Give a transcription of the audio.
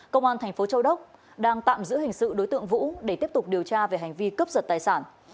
công an tp châu đốc đang tạm giữ hình sự đối tượng vũ để tiếp tục điều tra về hành vi cấp giật tài sản